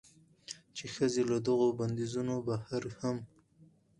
چې ښځې له دغو بندېزونو بهر هم